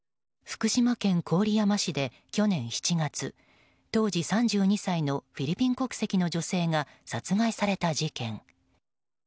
福島県郡山市で去年７月当時３２歳のフィリピン国籍の女性が殺害された事件。